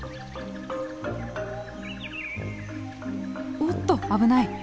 おっと危ない。